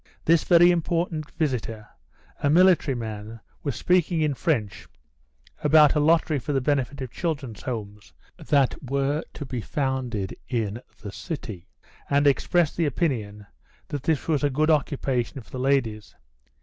This very important visitor, a military man, was speaking in French about a lottery for the benefit of children's homes that were to be founded in the city, and expressed the opinion that this was a good occupation for the ladies.